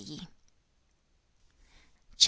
CHAP.